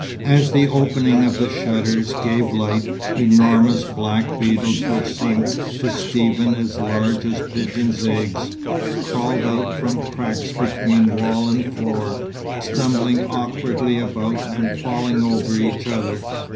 As the opening of the shutters gave light, enormous black beetles which seemed to Stephen as large as pigeon's eggs, crawled out from cracks between wall and floor, stumbling awkwardly about, and falling over each other.